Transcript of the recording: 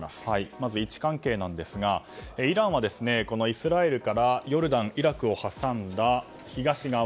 まず位置関係ですがイランはイスラエルからヨルダン、イラクを挟んだ東側。